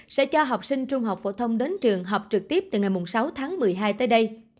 sẽ cho học sinh trung học phổ thông đến trường học trực tiếp từ ngày sáu tháng một mươi hai tới đây